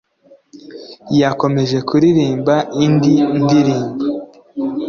yakomeje kuririmba indi ndirimbo